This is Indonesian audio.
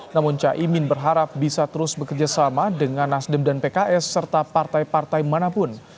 namun caimin berharap bisa terus bekerja sama dengan nasdem dan pks serta partai partai manapun